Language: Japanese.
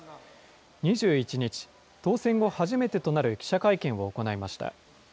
２１日、当選後初めてとなる記者会見を行いました。